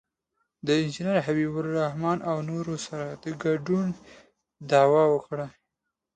د انجینر حبیب الرحمن او نورو سره د ګډون دعوه وکړي.